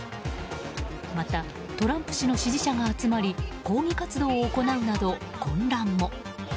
また、トランプ氏の支持者が集まり抗議活動を行うなど混乱も。